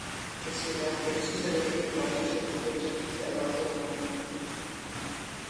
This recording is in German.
Es bedarf präziserer geografischer oder wirtschaftlicher Erläuterungen.